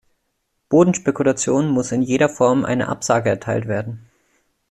Bodenspekulation muss in jeder Form eine Absage erteilt werden.